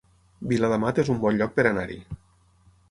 Viladamat es un bon lloc per anar-hi